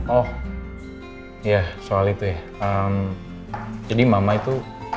oh ya soal itu ya jadi mama itu